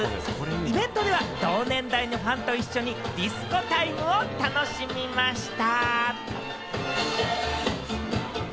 イベントでは同年代のファンと一緒にディスコタイムを楽しみました。